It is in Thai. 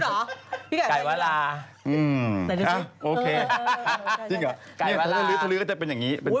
ของทลิ๊วก็จะเป็นอย่างนี้